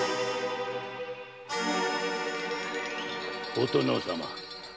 お殿様。